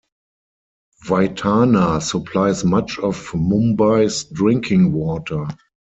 Vaitarna supplies much of Mumbai's drinking water.